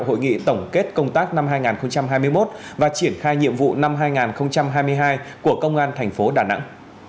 hội nghị tổng kết công tác năm hai nghìn hai mươi một và triển khai nhiệm vụ năm hai nghìn hai mươi hai của công an thành phố đà nẵng